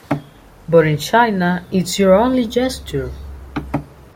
But in China, it's your only gesture.